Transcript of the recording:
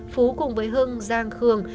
phú cùng với hưng giang khương